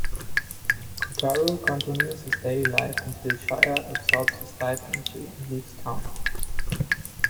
Kotarou continues his daily life until Shia absorbs his life energy and leaves town.